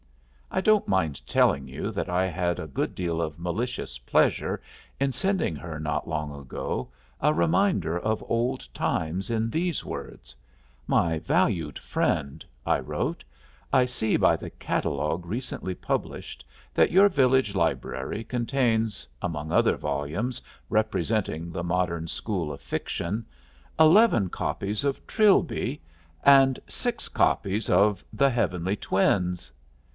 I don't mind telling you that I had a good deal of malicious pleasure in sending her not long ago a reminder of old times in these words: "My valued friend," I wrote, "I see by the catalogue recently published that your village library contains, among other volumes representing the modern school of fiction, eleven copies of 'Trilby' and six copies of 'The Heavenly Twins.'